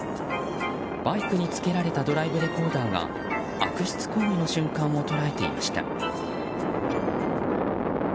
バイクにつけられたドライブレコーダーが悪質行為の瞬間を捉えていました。